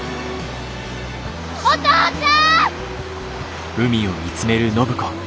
お父ちゃん！